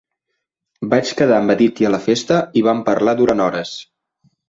Vaig quedar amb Aditya a la festa i vam parlar durant hores.